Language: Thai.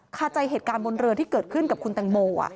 คาใจเหตุการณ์บนเรือที่เกิดขึ้นกับคุณแตงโม